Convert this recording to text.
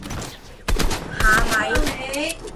啥米！